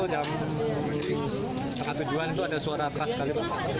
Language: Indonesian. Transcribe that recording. yang terus itu yang tajuan itu ada suara keras sekali